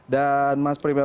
dan mas frim ya